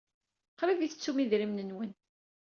Qrib ay tettum idrimen-nwen.